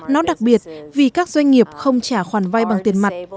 nó đặc biệt vì các doanh nghiệp không trả khoản vay bằng tiền mặt